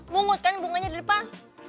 mungut kan bunganya di depan